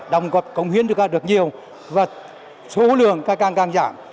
đồng gọt công huyên được nhiều và số lượng càng càng giảm